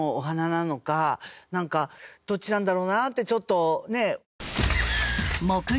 なんかどっちなんだろうなってちょっとねえ。